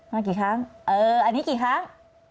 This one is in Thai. มากี่ครั้งเอออันนี้กี่ครั้ง